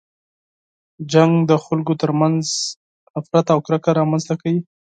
جنګ د خلکو تر منځ نفرت او کرکه رامنځته کوي.